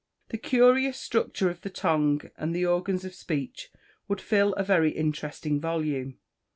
The curious structure of the tongue, and the organs of speech, would fill a very interesting volume.